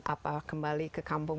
apa kembali ke kampung